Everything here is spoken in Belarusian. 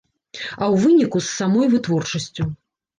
А ў выніку, з самой вытворчасцю.